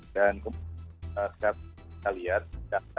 dan kemudian kita lihat data